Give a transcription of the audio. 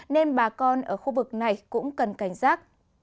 nên bà con ở khu vực này cũng cần cảnh giác